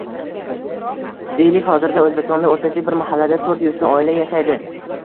Deylik, hozirda O‘zbekistonda o‘rtacha bir mahallada to'rt yuzta oila yashaydi.